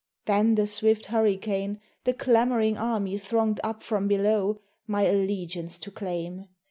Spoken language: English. Then the swift hurricane, The clamoring army thronged up from below, my allegiance to claim!